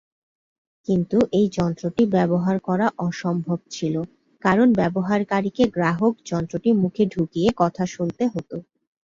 কিন্তু এই যন্ত্রটি ব্যবহার করা অসম্ভব ছিল কারণ ব্যবহারকারীকে গ্রাহক যন্ত্রটি মুখে ঢুকিয়ে কথা শুনতে হত।